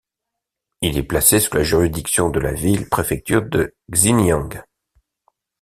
Il est placé sous la juridiction de la ville-préfecture de Xinyang.